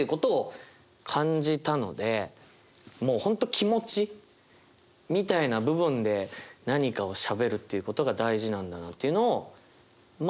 気持ちみたいな部分で何かをしゃべるっていうことが大事なんだなっていうのをまあ